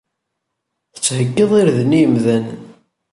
Tettheyyiḍ irden i yimdanen.